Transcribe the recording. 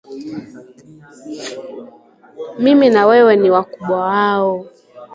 Mimi na wewe n wakubwa wao